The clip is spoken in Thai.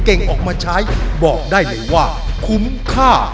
เก่งออกมาใช้บอกได้เลยว่า